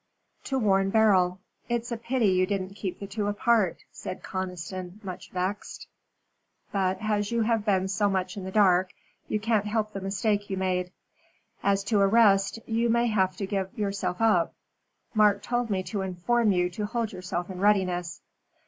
"To warn Beryl. It's a pity you didn't keep the two apart," said Conniston, much vexed. "But as you have been so much in the dark, you can't help the mistake you made. As to arrest, you may have to give yourself up. Mark told me to inform you to hold yourself in readiness."